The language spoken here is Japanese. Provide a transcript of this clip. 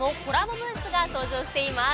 ブースが登場しています。